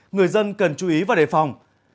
người dân cần chú ý và đề phòng